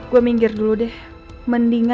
gak mau gue ketemu sama mende